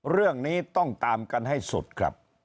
เรื่องนี้ต้องตามกันให้สุดครับ